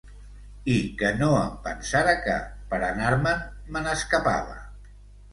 I que no em pensara que, per anar-me’n, me n’escapava.